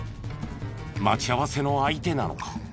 待ち合わせの相手なのか？